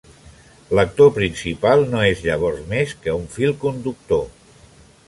L'actor principal no és llavors més que un fil conductor.